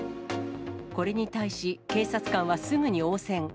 これに対し、警察官はすぐに応戦。